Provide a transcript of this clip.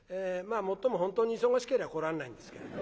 もっとも本当に忙しけりゃ来られないんですけれど。